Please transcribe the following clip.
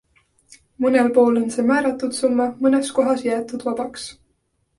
Mõnel pool on see määratud summa, mõnes kohas jäetud vabaks.